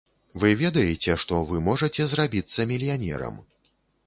Вы ведаеце, што вы можаце зрабіцца мільянерам?